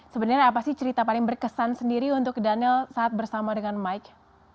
sebenarnya apa sih cerita paling berkesan sendiri untuk daniel saat bersama dengan mic